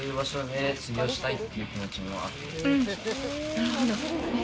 なるほど。